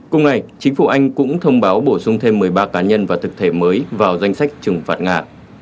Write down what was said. cùng ngày chính phủ anh cũng thông báo bổ sung thêm một mươi ba cá nhân và thực thể mới vào danh sách trừng phạt nga